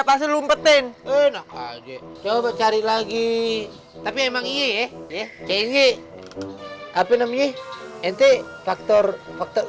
pasti lumpetin enak aja coba cari lagi tapi emang iya ya ini apa namanya ini faktor faktor